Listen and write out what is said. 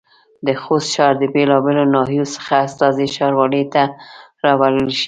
د خوست ښار د بېلابېلو ناحيو څخه استازي ښاروالۍ ته رابلل شوي دي.